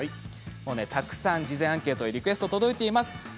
たくさん事前アンケートリクエストが届いています。